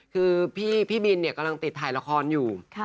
คือพี่บินกำลังติดถ่ายละครอยู่